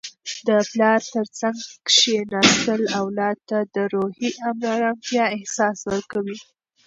د پلار تر څنګ کښیناستل اولاد ته د روحي ارامتیا احساس ورکوي.